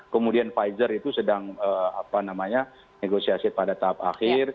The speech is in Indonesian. kemudian pfizer itu sedang negosiasi pada tahap akhir